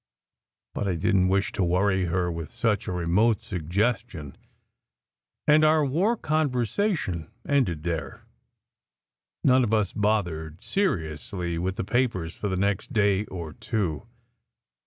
But I didn t wish to worry her with such a remote suggestion, and our war con versation ended there. None of us bothered seriously with the papers for the next day or two.